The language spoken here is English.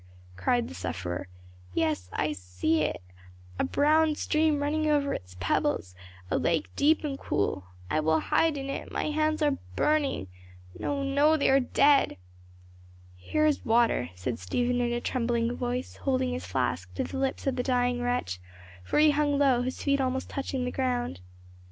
cried the sufferer. "Yes, I see it a brown stream running over its pebbles a lake deep and cool. I will hide in it, my hands are burning no, no, they are dead." "Here is water," said Stephen in a trembling voice, holding his flask to the lips of the dying wretch for he hung low, his feet almost touching the ground.